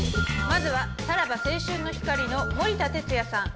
まずはさらば青春の光の森田哲矢さん